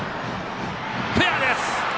フェアです！